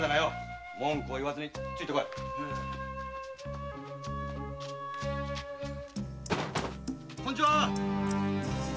こんにちは。